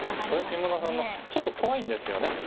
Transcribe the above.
これ木村さんのちょっと怖いんですよね。